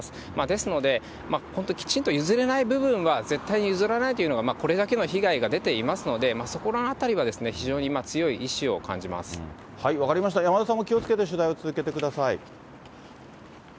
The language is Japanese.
ですので、本当きちんと譲れない部分は、絶対に譲らないというのが、これだけの被害が出ていますので、そこのあたりは、分かりました、山田さんも気をつけて取材を続けてください。